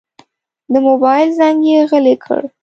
د موبایل زنګ یې غلی کړ.